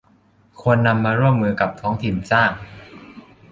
ควรนำมาร่วมมือกับท้องถิ่นสร้าง